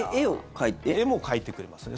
絵も描いてくれますね。